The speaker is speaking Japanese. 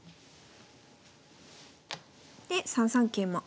で３三桂馬。